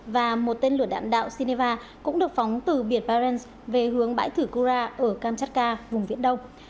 và một tên lửa đạn đạo sineva cũng được phóng từ biển barents về hướng bãi thử cura ở kamchatka vùng viện đông